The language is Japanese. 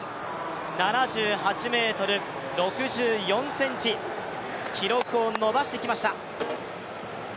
７８ｍ６４ｃｍ、記録を伸ばしてきました。